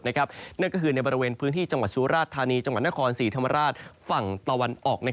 นั่นก็คือในบริเวณพื้นที่จังหวัดสุราชธานีจังหวัดนครศรีธรรมราชฝั่งตะวันออก